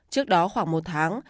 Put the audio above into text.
trước đó khoảng một tháng